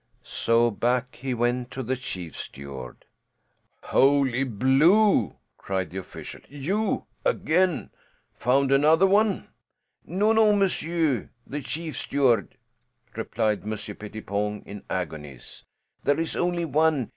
So back he went to the chief steward. "Holy Blue!" cried that official. "You? Again? Found another one?" "No, no, monsieur the chief steward," replied Monsieur Pettipon in agonies; "there is only one.